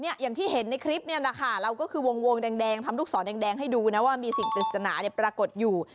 อย่างที่เห็นในคลิปเนี่ยนะคะเราก็คือวงแดงทำลูกศรแดงให้ดูนะว่ามีสิ่งปริศนาเนี่ยปรากฏอยู่